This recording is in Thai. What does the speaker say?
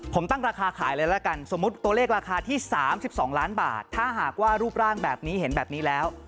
ผมตั้งราคาขายเลยละกันสมมุติตัวเลขราคาที่๓๒ล้านบาทถ้าหากว่ารูปร่างแบบนี้เห็นแบบนี้แล้ว